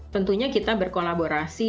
tentunya kita berkolaborasi